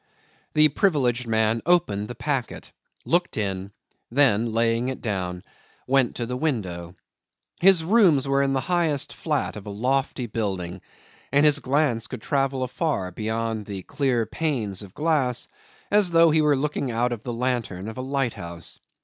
The privileged man opened the packet, looked in, then, laying it down, went to the window. His rooms were in the highest flat of a lofty building, and his glance could travel afar beyond the clear panes of glass, as though he were looking out of the lantern of a lighthouse.